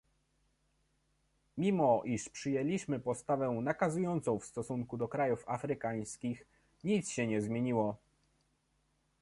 Mimo iż przyjęliśmy postawę nakazującą w stosunku do krajów afrykańskich, nic się nie zmieniło